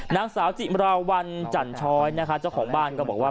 นางสาวจิมราวัลจันช้อยนะคะเจ้าของบ้านก็บอกว่า